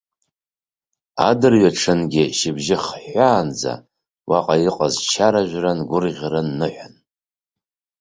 Адырҩаҽынгьы шьыбжьы нхыҳәҳәаанӡа уаҟа иҟаз чара-жәран, гәырӷьаран, ныҳәан.